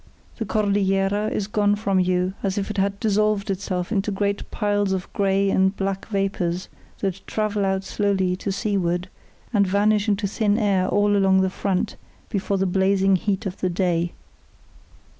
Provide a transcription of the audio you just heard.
The Cordillera is gone from you as if it had dissolved itself into great piles of grey and black vapours that travel out slowly to seaward and vanish into thin air all along the front before the blazing heat of the day.